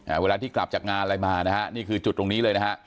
เวลาที่กลับจากงานอะไรมานะฮะนี่คือจุดตรงนี้เลยนะฮะ